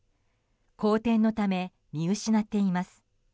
荒天のため見失っています。